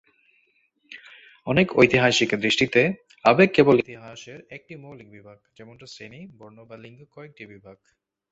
অনেক ঐতিহাসিকের দৃষ্টিতে, আবেগ কেবল ইতিহাসের একটি মৌলিক বিভাগ, যেমনটা শ্রেণি, বর্ণ বা লিঙ্গ একেকটি বিভাগ।